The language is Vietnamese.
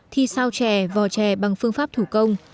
thi sao trẻ vò trẻ bằng phương pháp thủ công